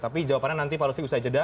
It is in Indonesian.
tapi jawabannya nanti pak lufi usai jeda